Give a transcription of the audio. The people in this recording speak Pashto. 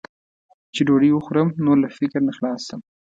چې ډوډۍ وخورم، نور له فکر نه خلاص شم.